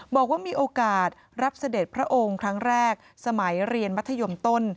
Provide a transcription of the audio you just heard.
บอกว่ามีโอกาสรับเสด็จพระองค์ครั้งแรกสมัยเรียนมัธยมต้น